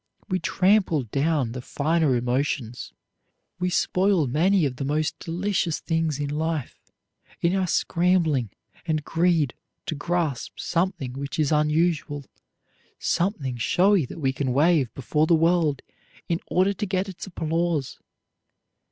We trample down the finer emotions, we spoil many of the most delicious things in life in our scrambling and greed to grasp something which is unusual, something showy that we can wave before the world in order to get its applause.